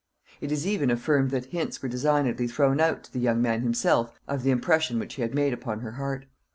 It is even affirmed that hints were designedly thrown out to the young man himself of the impression which he had made upon her heart.